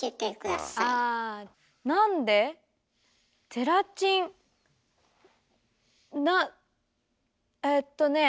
ゼラチンなえっとねぇ。